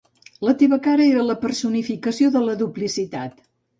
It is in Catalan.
La teva cara era la personificació de la duplicitat.